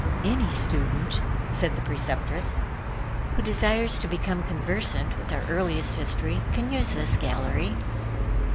"Any student," said the Preceptress, "who desires to become conversant with our earliest history, can use this gallery.